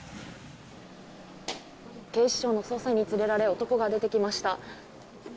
警視庁の捜査員に連れられ男が出てきました。